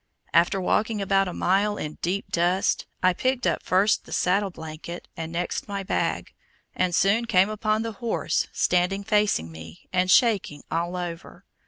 After walking about a mile in deep dust, I picked up first the saddle blanket and next my bag, and soon came upon the horse, standing facing me, and shaking all over.